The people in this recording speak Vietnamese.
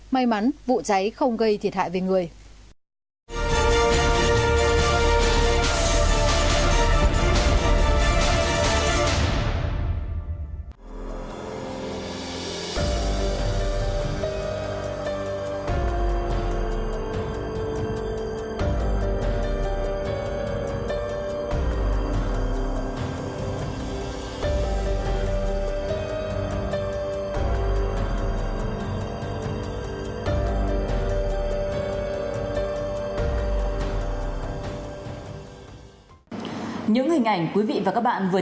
may mắn vụ cháy không gây thiệt hại về người